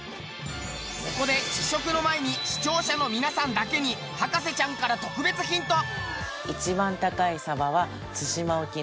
ここで試食の前に視聴者の皆さんだけに博士ちゃんから特別ヒント。